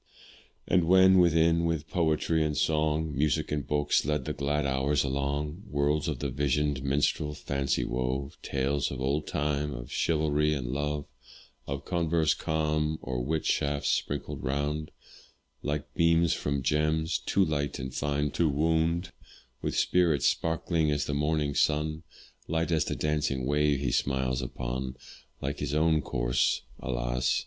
And when within, with poetry and song, Music and books led the glad hours along; Worlds of the visioned minstrel, fancy wove, Tales of old time, of chivalry and love; Or converse calm, or wit shafts sprinkled round, Like beams from gems, too light and fine to wound; With spirits sparkling as the morning's sun, Light as the dancing wave he smiles upon, Like his own course alas!